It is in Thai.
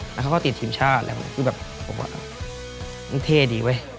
แล้วเขาก็ติดทีมชาแล้วผมก็บอกว่ามันเท่ดีเว้ย